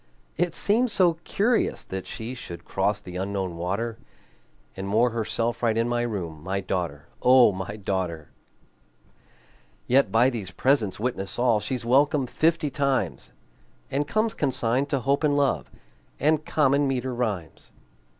It seemed so curious that she Should cross the Unknown water, And moor herself right in my room, My daughter, O my daughter! Yet by these presents witness all She's welcome fifty times, And comes consigned to Hope and Love And common meter rhymes.